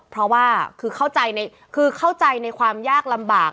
เพราะว่าคือเข้าใจในความยากลำบาก